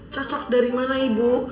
cocok dari mana ibu